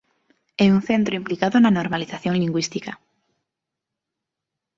É un centro implicado na normalización lingüística.